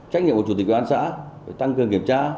trách nhiệm của chủ tịch ubnd xã tăng cường kiểm tra